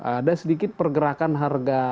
ada sedikit pergerakan harga